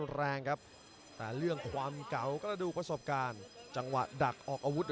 จังหวาดึงซ้ายตายังดีอยู่ครับเพชรมงคล